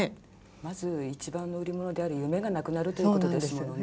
まず一番の売り物である夢がなくなるということですものね。